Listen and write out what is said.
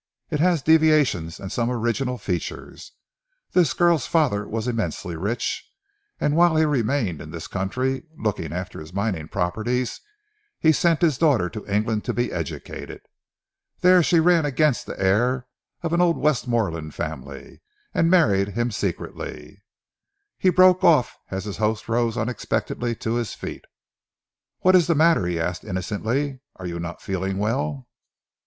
It has deviations and some original features. This girl's father was immensely rich, and whilst he remained in this country looking after his mining properties, he sent his daughter to England to be educated. There she ran against the heir of an old Westmorland family, and married him secretly " He broke off as his host rose unexpectedly to his feet. "What is the matter?" he asked innocently. "Are you not feeling well?"